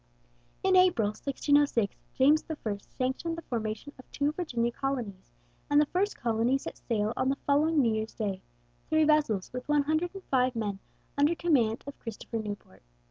In April, 1606, James I sanctioned the formation of two Virginia colonies, and the first colony set sail on the following New Year's day three vessels, with one hundred and five men, under command of Christopher Newport.